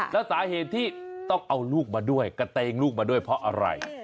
แล้วสาเหตุที่ต้องเอาลูกมาด้วยกระเตงลูกมาด้วยเพราะอะไร